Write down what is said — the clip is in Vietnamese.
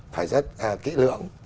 phải rất kỹ lượng